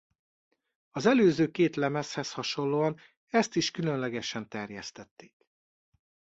Az előző két lemezhez hasonlóan ezt is különlegesen terjesztették.